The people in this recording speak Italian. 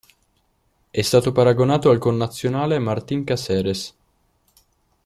È stato paragonato al connazionale Martín Cáceres.